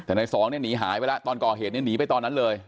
แต่ในสองเนี่ยหนีหายไปแล้วตอนก่อเหตุเนี่ยหนีไปตอนนั้นเลย